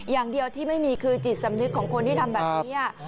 อย่างเดียวที่ไม่มีคือจิตสำนึกของคนที่ทำแบบนี้